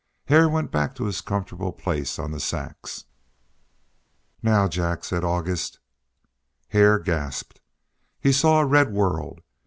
Hare went back to his comfortable place on the sacks. "Now, Jack," said August. Hare gasped. He saw a red world.